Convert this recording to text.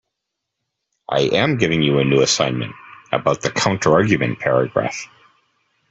I am giving you a new assignment about the counterargument paragraph.